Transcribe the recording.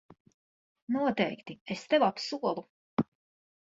Noteikti, es tev apsolu.